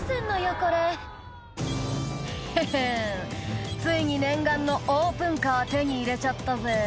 これ「ヘヘンついに念願のオープンカー手に入れちゃったぜ」